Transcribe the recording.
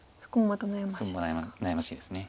そこもまた悩ましいですか。